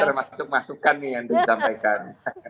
termasuk masukan nih yang disampaikan